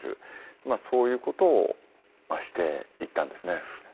まあそういうことをしていったんですね。